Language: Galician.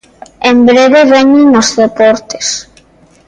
En breve veñen os deportes.